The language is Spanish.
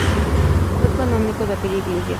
Fue canónigo de aquella iglesia.